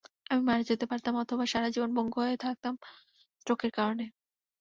আমি মারা যেতে পারতাম অথবা সারা জীবন পঙ্গু হয়ে থাকতাম স্ট্রোকের কারণে।